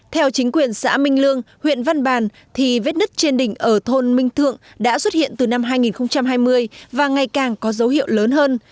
theo chính quyền xã minh lương huyện văn bàn thì vết nứt trên đỉnh ở thôn minh thượng đã xuất hiện từ năm hai nghìn hai mươi và ngày càng có dấu hiệu lớn hơn